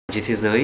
trên thế giới